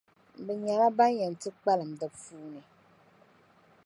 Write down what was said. Bɛ nyɛla ban yɛn ti kpalim di puuni.